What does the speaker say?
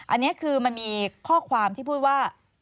อันนี้คือมันมีข้อความที่พูดว่า